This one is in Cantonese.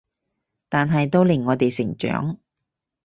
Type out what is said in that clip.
但係都令我哋成長